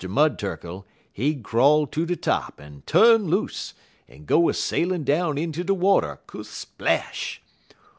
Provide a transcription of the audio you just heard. Mud Turkle, he'd crawl ter de top, en tu'n loose, en go a sailin' down inter de water _kersplash!